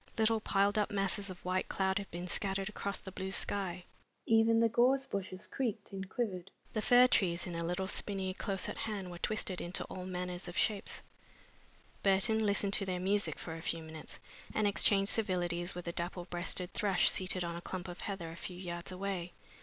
Little piled up masses of white cloud had been scattered across the blue sky. Even the gorse bushes creaked and quivered. The fir trees in a little spinney close at hand were twisted into all manners of shapes. Burton listened to their music for a few minutes, and exchanged civilities with a dapple breasted thrush seated on a clump of heather a few yards away.